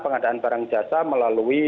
pengadaan barang jasa melalui